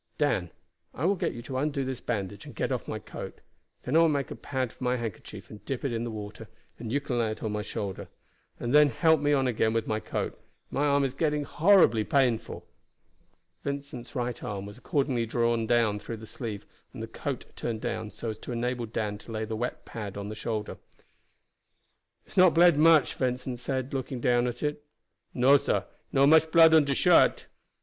"Dan, I will get you to undo this bandage and get off my coat; then I will make a pad of my handkerchief and dip it in the water and you can lay it on my shoulder, and then help me on again with my coat. My arm is getting horribly painful." Vincent's right arm was accordingly drawn through the sleeve and the coat turned down so as to enable Dan to lay the wet pad on the shoulder. "It has not bled much," Vincent said, looking down at it. "No, sah, not much blood on de shirt."